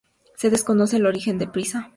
Se desconoce el origen de Pisa.